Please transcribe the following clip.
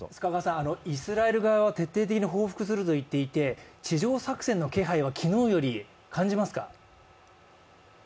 イスラエル側は徹底的に報復すると言っていて地上作戦の気配は昨日より感じますか？